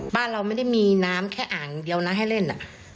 บ้านเราไม่ได้มีน้ำแค่อ่างเดียวนะให้เล่น